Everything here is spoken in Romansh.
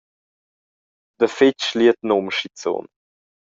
Da fetg schliet num schizun.